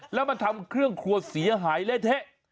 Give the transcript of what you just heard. แล้วมันทำเครื่องครัวเสียหายเละเทะ